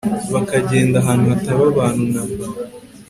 bakagenda ahantu hatabaabantu na mba,